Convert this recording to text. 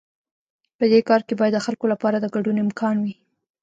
په دې کار کې باید د خلکو لپاره د ګډون امکان وي.